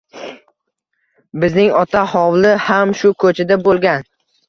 Bizning ota hovli ham shu ko’chada bo’lgan.